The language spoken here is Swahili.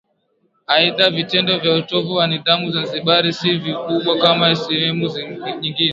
Aidha vitendo vya utovu wa nidhamu Zanzibar si vikubwa kama sehemu nyingine